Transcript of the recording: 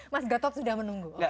mas gatot sudah menunggu